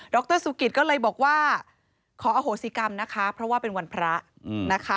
รสุกิตก็เลยบอกว่าขออโหสิกรรมนะคะเพราะว่าเป็นวันพระนะคะ